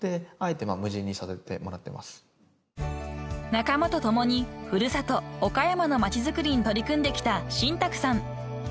［仲間と共に古里岡山の町づくりに取り組んできた新宅さん］